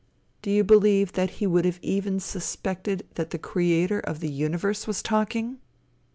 Do you believe that he would have even suspected that the creator of the universe was talking?